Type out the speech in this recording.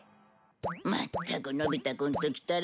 まったくのび太くんときたら。